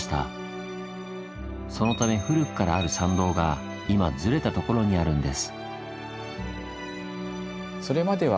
そのため古くからある参道が今ずれた所にあるんです。